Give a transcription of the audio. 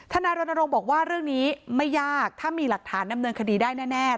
นายรณรงค์บอกว่าเรื่องนี้ไม่ยากถ้ามีหลักฐานดำเนินคดีได้แน่